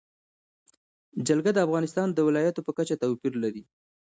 جلګه د افغانستان د ولایاتو په کچه توپیر لري.